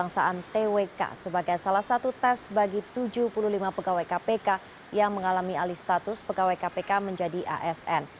pemeriksaan twk sebagai salah satu tes bagi tujuh puluh lima pegawai kpk yang mengalami alih status pegawai kpk menjadi asn